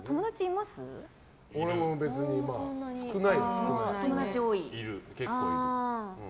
俺も別に少ないですね。